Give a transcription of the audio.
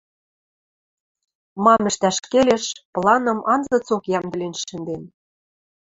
Мам ӹштӓш келеш, планым анзыцок йӓмдӹлен шӹнден.